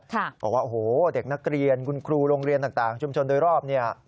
บอกว่าโอ้โหเด็กนักเรียนคุณครูโรงเรียนต่างชุมชนโดยรอบเนี่ย